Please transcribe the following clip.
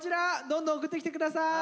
どんどん送ってきて下さい。